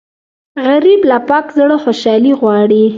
غریب له پاک زړه خوشالي غواړي